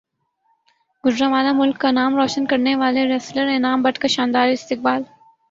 گوجرانوالہ ملک کا نام روشن کرنیوالے ریسلر انعام بٹ کا شاندار استقبال